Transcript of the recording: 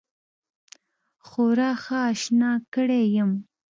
خورا ښه آشنا کړی یم.